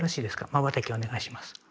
まばたきをお願いします。